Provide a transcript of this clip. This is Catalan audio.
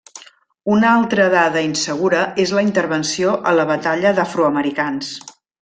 Una altra dada insegura és la intervenció a la batalla d'afroamericans.